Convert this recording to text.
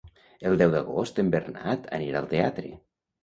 El deu d'agost en Bernat anirà al teatre.